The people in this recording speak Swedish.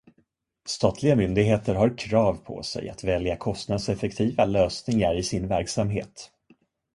Statliga myndigheter har krav på sig att välja kostnadseffektiva lösningar i sin verksamhet.